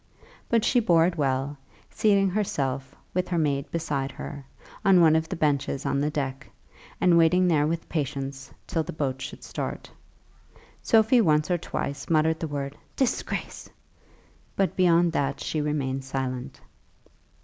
But she bore it well, seating herself, with her maid beside her, on one of the benches on the deck, and waiting there with patience till the boat should start. Sophie once or twice muttered the word "disgrace!" but beyond that she remained silent.